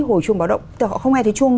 hồi chuông báo động họ không nghe thấy chuông